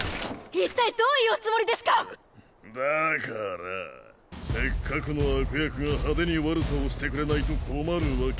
一体どういうおつもりですか⁉だからせっかくの悪役が派手に悪さをしてくれないと困るわけ。